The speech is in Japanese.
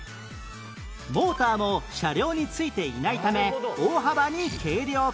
モーターも車両についていないため大幅に軽量化